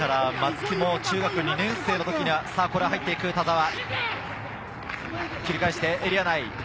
松木も中学２年生の時には、これが入っていく田澤、蹴り返してエリア内。